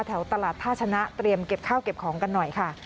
แถวตลาดท่าชนะเตรียมเก็บข้าวเก็บของกันหน่อยค่ะ